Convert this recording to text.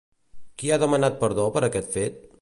Qui ha demanat perdó per aquest fet?